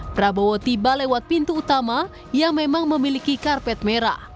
prabowo tiba lewat pintu utama yang memang memiliki karpet merah